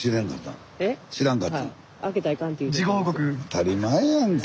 当たり前やんけ。